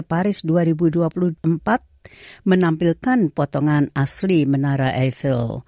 paris dua ribu dua puluh empat menampilkan potongan asli menara eifel